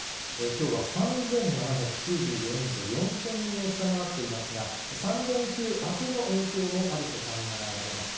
きょうは３７９４人と、４０００人を下回っていますが、３連休明けの影響もあると考えられます。